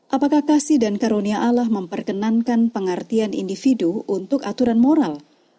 apakah kasih dan karunia allah memperkenankan pengertian individu untuk aturan moral